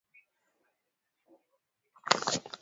hicho au cha kufanana nacho Tanzania kuna